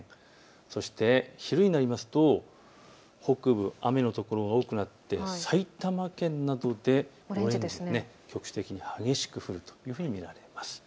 そして昼になりますと北部、雨の所が多くなって埼玉県などでオレンジ、局地的に激しく降るというふうに見られます。